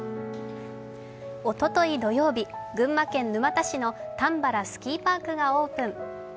おととい土曜日、群馬県沼田市のたんばらスキーパークがオープン。